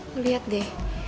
lo lihat deh